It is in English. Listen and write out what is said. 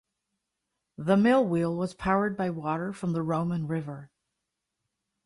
The mill wheel was powered by water from the Roman River.